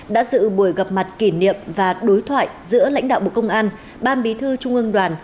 đã dự buổi gặp mặt kỷ niệm và đối thoại giữa lãnh đạo bộ công an ban bí thư trung ương đoàn